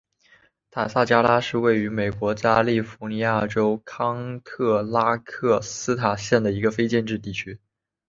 塔萨加拉是位于美国加利福尼亚州康特拉科斯塔县的一个非建制地区。